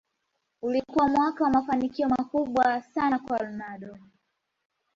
ulikuwa mwaka wa mafanikio makubwa sana kwa ronaldo